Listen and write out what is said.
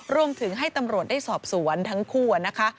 รวมถึงให้ตำรวจได้สอบสวนทั้งคู่นะคะ